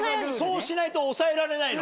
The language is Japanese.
そうしないと抑えられないの？